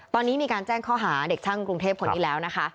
ตอนนี้มีการแจ้งข้อหาเด็กช่างกรุงเทพคนนี้แล้วนะคะ